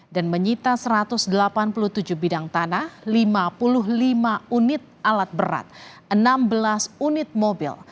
dan menyita satu ratus delapan puluh tujuh bidang tanah lima puluh lima unit alat berat enam belas unit mobil